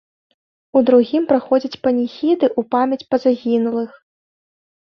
У другім праходзяць паніхіды ў памяць па загінулых.